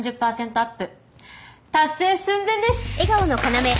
アップ達成寸前です。